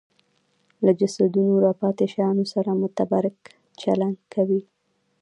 له جسدونو راپاتې شیانو سره متبرک چلند کوي